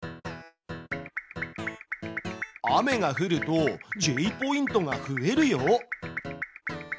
雨が降るとＪポイントが増えるよ。